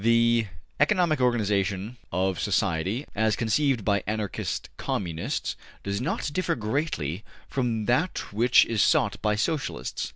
The ECONOMIC organization of society, as conceived by Anarchist Communists, does not differ greatly from that which is sought by Socialists.